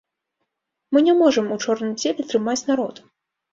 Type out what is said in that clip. Мы не можам у чорным целе трымаць народ.